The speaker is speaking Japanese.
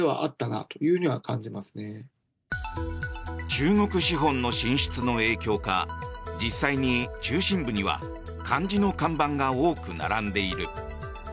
中国資本の進出の影響か実際に中心部には漢字の看板が多く並んでいる。